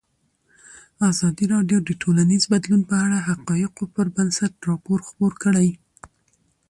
ازادي راډیو د ټولنیز بدلون په اړه د حقایقو پر بنسټ راپور خپور کړی.